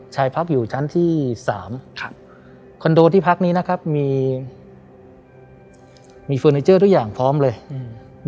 พักอยู่ชั้นที่สามครับคอนโดที่พักนี้นะครับมีมีเฟอร์นิเจอร์ทุกอย่างพร้อมเลยอืม